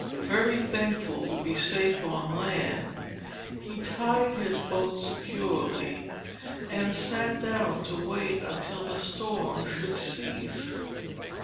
Very thankful to be safe on land he tied his boat securely, and sat down to wait until the storm should cease.